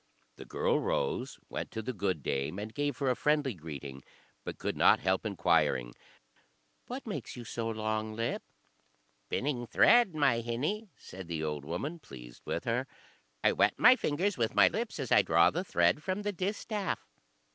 The girl rose, went to the good dame, and gave her a friendly greeting, but could not help inquiring "What makes you so long lipped?" "Spinning thread, my hinnie," said the old woman, pleased with her. "I wet my fingers with my lips, as I draw the thread from the distaff."